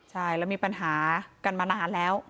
ใช่แล้วมีปัญหากันมานานแล้ว